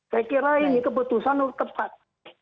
saya kira ini keputusan tepat